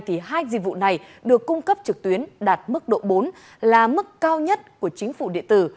thì hai dịch vụ này được cung cấp trực tuyến đạt mức độ bốn là mức cao nhất của chính phủ điện tử